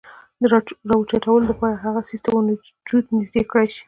راوچتولو د پاره هغه څيز ته وجود نزدې کړے شي ،